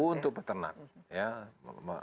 untuk peternak ya